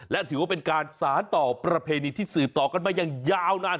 และถือว่าเป็นการสารต่อประเพณีที่สืบต่อกันมาอย่างยาวนาน